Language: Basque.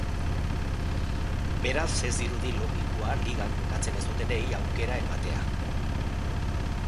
Beraz, ez dirudi logikoa ligan jokatzen ez dutenei aukera ematea.